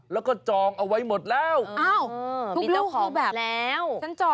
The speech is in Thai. แล้วก็จองเอาไว้หมดแล้ว